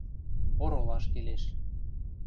Оролаш келеш.